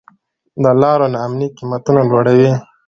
د لارو نا امني قیمتونه لوړوي.